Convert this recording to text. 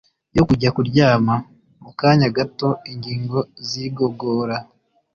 yo kujya kuryama. Mu kanya gato, ingingo z’igogora